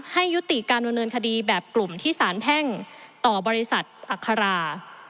ให้ยุติการดำเนินคดีแบบกลุ่มที่สารแพ่งต่อบริษัทอัครา